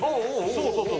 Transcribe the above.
そうそうそう。